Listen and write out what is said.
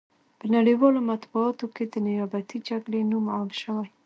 په نړیوالو مطبوعاتو کې د نیابتي جګړې نوم عام شوی.